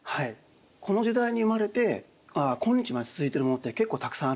この時代に生まれて今日まで続いているものって結構たくさんあるんですね。